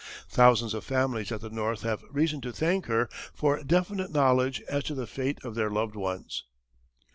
Thousands of families at the North have reason to thank her for definite knowledge as to the fate of their loved ones.